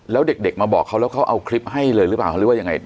แล้วเด็กมาบอกเขาแล้วเขาเอาคลิปให้เลยหรือเปล่าหรือว่ายังไง